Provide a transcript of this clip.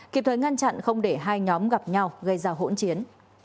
kịp thời ngăn chặn không để hai nhóm gặp nhau gây ra hỗn chiến